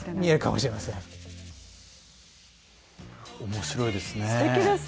面白いですね。